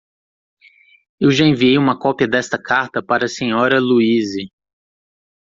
Eu já enviei uma cópia desta carta para a Sra. Louise.